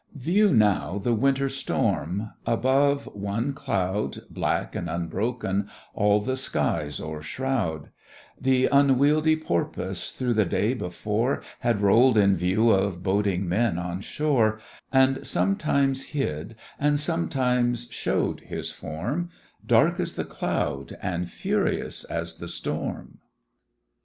View now the Winter storm! above, one cloud, Black and unbroken, all the skies o'ershroud: Th' unwieldy porpoise through the day before Had roll'd in view of boding men on shore; And sometimes hid and sometimes show'd his form, Dark as the cloud, and furious as the storm.